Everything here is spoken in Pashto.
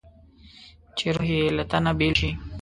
چې روح یې له تنه بېل شي.